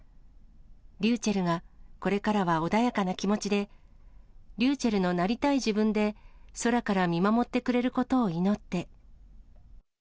りゅうちぇるが、これからは穏やかな気持ちで、りゅうちぇるのなりたい自分で空から見守ってくれることを祈って。